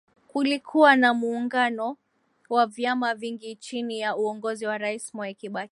Kulikuwa na muungano wa vyama vingi Chini ya uongozi wa Rais Mwai Kibaki